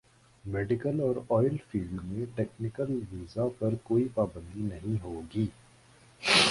medical اور oil field میں technical visa پر کوئی پابندی نہیں ہوگی